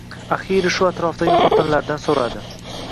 Axiyri shu atrofdagi xotinlardan so‘radi